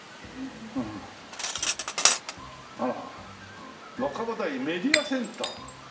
あらあら「若葉台メディアセンター」。